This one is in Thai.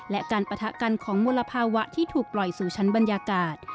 และการปะทะกันของมลภาวะที่ถูกปล่อยสู่ชั้นบรรยากาศ